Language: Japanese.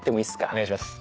お願いします